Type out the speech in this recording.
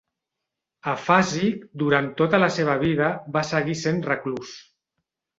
Afàsic durant tota la seva vida, va seguir sent reclús.